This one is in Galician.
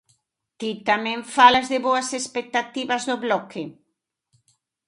Ti tamén falas de boas expectativas do Bloque.